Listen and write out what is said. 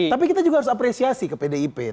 tapi kita juga harus apresiasi ke pdip